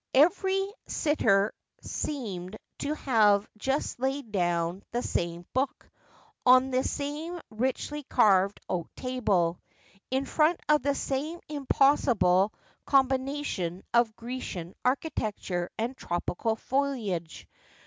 Every sitter seemed to have just laid down the same book, on the same richly carved oak table, in front of the same impossible combination of Grecian Architecture and tropical foliage.